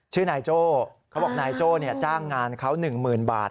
ชื่อนายโจ้เขาบอกนายโจ้จ้างงานเขา๑๐๐๐บาท